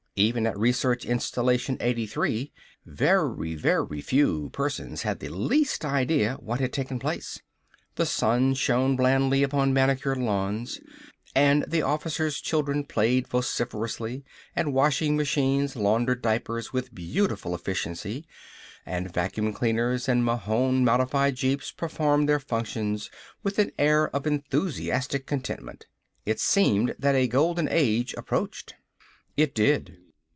Even at Research Installation 83 very, very few persons had the least idea what had taken place. The sun shone blandly upon manicured lawns, and the officers' children played vociferously, and washing machines laundered diapers with beautiful efficiency, and vacuum cleaners and Mahon modified jeeps performed their functions with an air of enthusiastic contentment. It seemed that a golden age approached. It did.